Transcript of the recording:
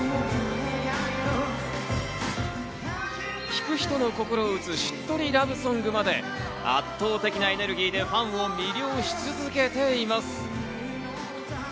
聴く人の心を打つ、しっとりラブソングまで圧倒的なエネルギーでファンを魅了し続けています。